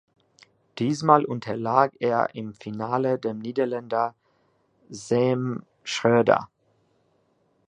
Diesmal unterlag er im Finale dem Niederländer Sam Schröder.